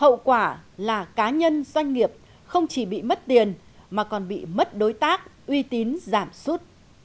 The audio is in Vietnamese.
hậu quả là cá nhân doanh nghiệp không chỉ bị mất tiền mà còn bị mất đối tác uy tín giảm sút